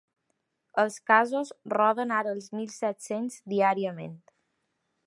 Els casos roden ara els mil set-cents diàriament.